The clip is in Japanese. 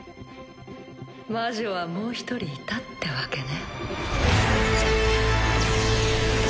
魔女はもう一人いたってわけね。